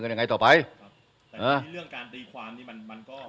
มันจะปกครองบ้านเมืองกันยังไงต่อไป